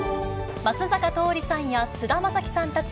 松坂桃李さんや菅田将暉さんたち